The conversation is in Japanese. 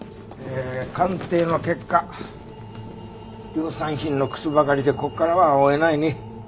量産品の靴ばかりでここからは追えないね。